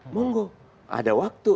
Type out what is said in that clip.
monggo ada waktu